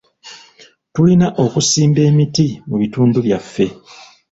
Tulina okusimba emiti mu bitundu byaffe.